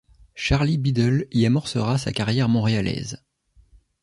Charlie Biddle y amorcera sa carrière montréalaise.